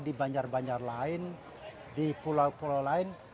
di banjar banjar lain di pulau pulau lain